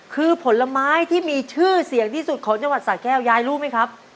คือผลไม้ที่มีชื่อเสียงที่สุดของจังหวัดสาแก้วยายรู้ไหมครับ